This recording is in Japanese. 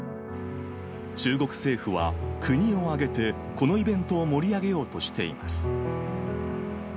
中国政府は、国を挙げてこのイベントを盛り上げようとしています。